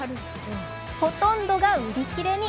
ほとんどが売り切れに。